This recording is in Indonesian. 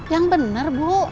yang benar bu